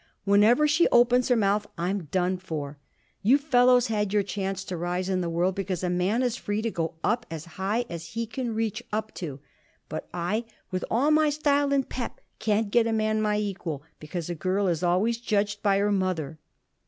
Whenever she opens her mouth, I'm done for. You fellows had your chance to rise in the world because a man is free to go up as high as he can reach up to; but I, with all my style and pep, can't get a man my equal because a girl is always judged by her mother."